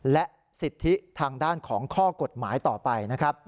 และสิทธิทางด้านของข้อกฎหมายต่อไปนะครับ